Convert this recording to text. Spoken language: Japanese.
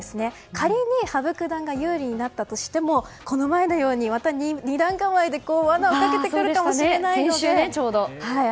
仮に羽生九段が有利になったとしてもこの前のようにまた二段構えでわなをかけてくるかもしれないので。